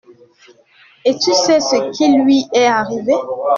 Et tu sais ce qu’il lui est arrivé?